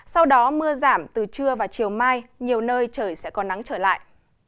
sau đó mưa giảm từ trưa và chiều mai nhiều nơi trời sẽ có nắng trở lại